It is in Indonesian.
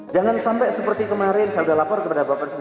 jangan sampai seperti kemarin saya sudah lapor kepada bapak presiden